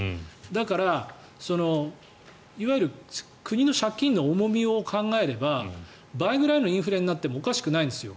だから、いわゆる国の借金の重みを考えれば倍ぐらいのインフレになってもおかしくないんですよ。